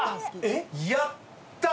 やった！